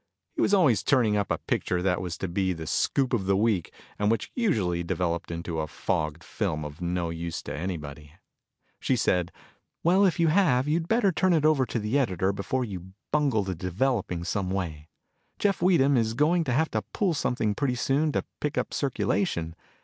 He was always turning up a picture that was to be the scoop of the week and which usually developed into a fogged film of no use to anybody. She said, "Well, if you have you'd better turn it over to the editor before you bungle the developing some way. Jeff Weedham is going to have to pull something pretty soon to pick up circulation.